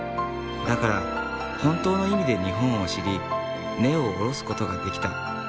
だから本当の意味で日本を知り根を下ろす事ができた。